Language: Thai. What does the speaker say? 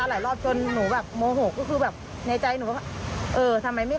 แล้วคุณพ่อคุณว่าไง